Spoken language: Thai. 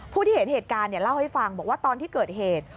ผู้ที่เห็นเหตุการณ์เล่าให้ฟังบอกว่าตอนที่เกิดเหตุ